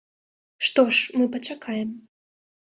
Што ж, мы пачакаем.